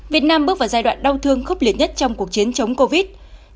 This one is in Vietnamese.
việt nam bước vào giai đoạn đau thương khốc liệt nhất trong cuộc chiến chống covid